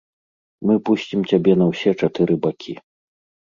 Мы пусцім цябе на ўсе чатыры бакі.